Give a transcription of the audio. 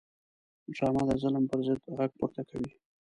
ډرامه د ظلم پر ضد غږ پورته کوي